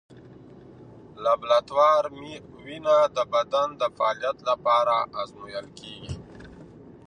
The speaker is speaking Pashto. لابراتوار وینه د بدن د فعالیت لپاره ازمویل کېږي.